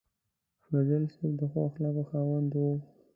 فضل صاحب د ښو اخلاقو خاوند و.